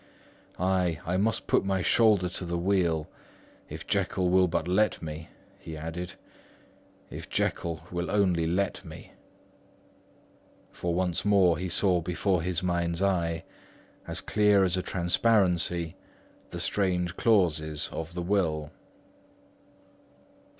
Ay, I must put my shoulders to the wheel—if Jekyll will but let me," he added, "if Jekyll will only let me." For once more he saw before his mind's eye, as clear as transparency, the strange clauses of the will.